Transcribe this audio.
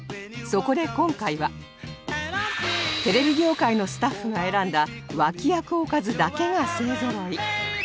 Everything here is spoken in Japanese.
そこで今回はテレビ業界のスタッフが選んだ脇役おかずだけが勢ぞろい